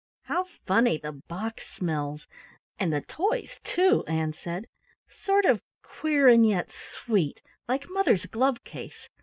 "How funny the box smells and the toys, too!" Ann said. "Sort of queer and yet sweet, like mother's glove case.